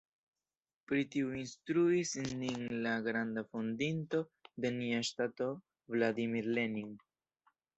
Pri tio instruis nin la granda fondinto de nia ŝtato Vladimir Lenin.